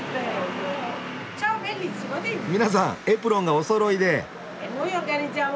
皆さんエプロンがおそろいで。